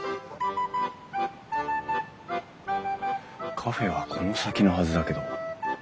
カフェはこの先のはずだけど。